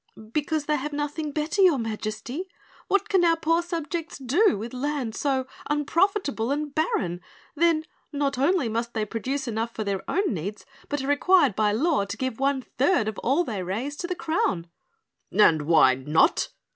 "Because they have nothing better, your Majesty. What can our poor subjects do with land so unprofitable and barren? Then, not only must they produce enough for their own needs, but are required by the law to give one third of all they raise to the crown." "And why not?"